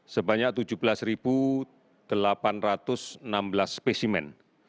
sebanyak tujuh belas delapan ratus enam belas spesimen